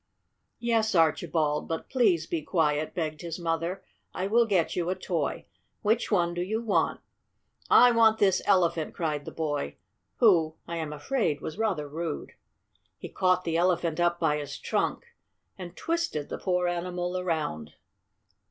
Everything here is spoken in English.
"Yes, Archibald. But please be quiet!" begged his mother. "I will get you a toy. Which one do you want?" "I want this Elephant!" cried the boy who, I am afraid, was rather rude. He caught the Elephant up by his trunk, and twisted the poor animal around.